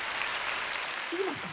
いきますか。